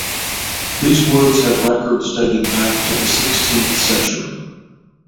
These woods have records dating back to the sixteenth century.